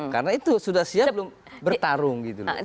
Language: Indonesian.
karena itu sudah siap belum bertarung gitu loh